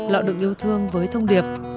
lọ được yêu thương với thông điệp